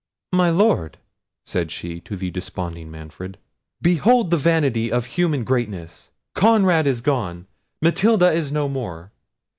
"My Lord," said she to the desponding Manfred, "behold the vanity of human greatness! Conrad is gone! Matilda is no more!